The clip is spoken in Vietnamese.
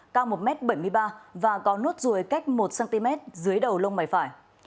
cao một m bảy mươi ba và có nốt ruồi cách một cm dưới đầu lông mày phải